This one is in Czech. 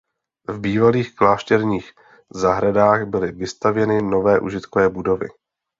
V bývalých klášterních zahradách byly vystavěny nové užitkové budovy.